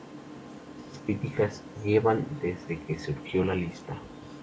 Estas críticas llevan desde que surgió la lista.